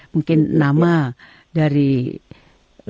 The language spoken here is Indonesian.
mungkin nama dari lukisan